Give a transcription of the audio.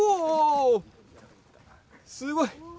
すごい！